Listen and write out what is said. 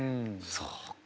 そうか。